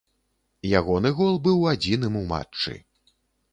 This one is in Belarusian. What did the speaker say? Ягоны гол быў адзіным у матчы.